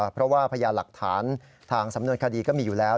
เพราะว่าพยานหลักฐานทางสำนวนคดีก็มีอยู่แล้ว